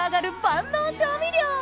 万能調味料